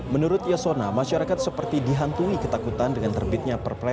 menurut yasona masyarakat seperti dihantui ketakutan dengan terbitnya perusahaan